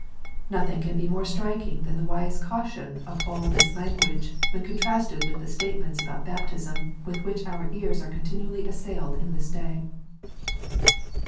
Nothing can be more striking than the wise caution of all this language, when contrasted with the statements about baptism with which our ears are continually assailed in this day.